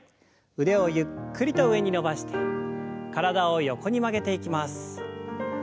腕をゆっくりと上に伸ばして体を横に曲げていきます。